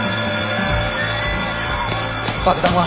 爆弾は？